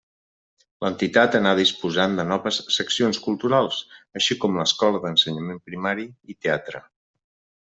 L'entitat anà disposant de noves seccions culturals, així com l'escola d'ensenyament primari, i teatre.